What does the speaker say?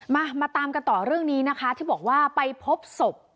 มามาตามกันต่อเรื่องนี้นะคะที่บอกว่าไปพบศพ